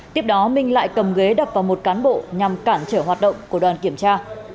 tiếp đó minh lại cầm ghế đập vào một cán bộ nhằm cản trở hoạt động của đoàn kiểm tra